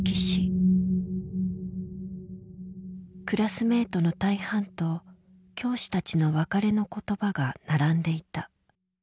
クラスメートの大半と教師たちの別れの言葉が並んでいた。